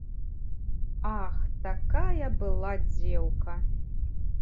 Ах, такая была дзеўка!